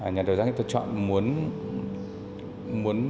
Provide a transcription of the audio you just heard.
nhà đầu giác chúng tôi chọn muốn